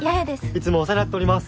いつもお世話になっております。